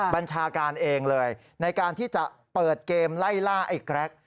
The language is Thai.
บัญชาการเองเลยในการที่จะเปิดเกมไล่ล่าไอ้แกรก